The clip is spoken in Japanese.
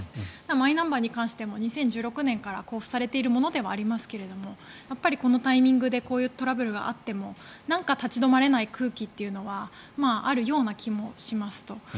マイナンバーに関しても２０１６年から交付されているものではありますがこのタイミングでこういうトラブルがあってもなんか立ち止まれない空気はあるような気もしますと。